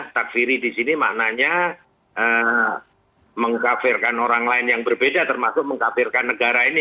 takfiri di sini maknanya mengkafirkan orang lain yang berbeda termasuk mengkafirkan negara ini